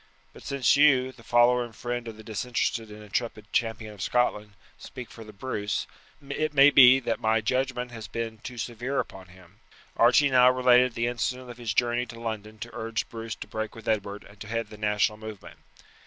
But since you, the follower and friend of the disinterested and intrepid champion of Scotland, speak for the Bruce, it maybe that my judgement has been too severe upon him." Archie now related the incident of his journey to London to urge Bruce to break with Edward and to head the national movement.